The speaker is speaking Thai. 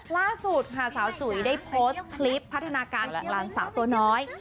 ล่าสุดค่ะสาวจุ๋ยได้โพสต์คลิปพัฒนาการของหลานสาวตัวน้อย